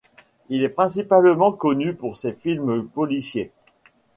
Il est principalement connu pour ses films policiers.